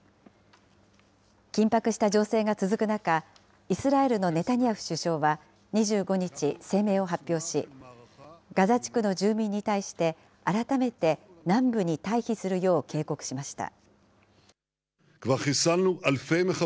緊迫した情勢が続く中、イスラエルのネタニヤフ首相は２５日、声明を発表し、ガザ地区の住民に対して、改めて南部に退避するよう警告しました。